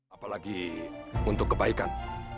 apalagi untuk kebaikan